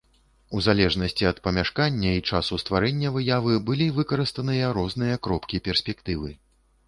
У залежнасці ад памяшкання і часу стварэння выявы былі выкарыстаныя розныя кропкі перспектывы.